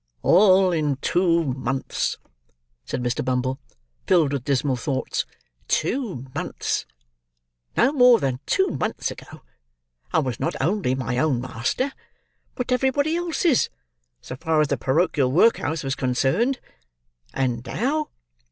"All in two months!" said Mr. Bumble, filled with dismal thoughts. "Two months! No more than two months ago, I was not only my own master, but everybody else's, so far as the porochial workhouse was concerned, and now!